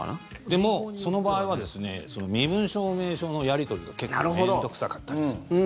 でも、その場合はですね身分証明書のやり取りが結構面倒臭かったりするんです。